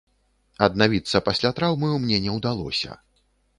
Аднавіцца пасля траўмы мне не ўдалося.